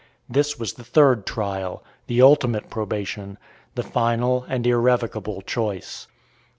This was the third trial, the ultimate probation, the final and irrevocable choice.